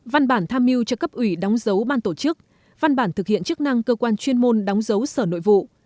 văn bản tham mưu cho cấp ủy đóng dấu ban tổ chức văn bản thực hiện chức năng cơ quan chuyên môn đóng dấu sở nội vụ